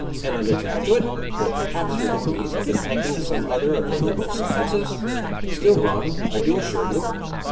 "An under graduate!—or perhaps your degrees have been taken in some other of the liberal sciences?" "Still wrong, I do assure you."